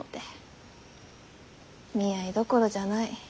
「見合いどころじゃない」。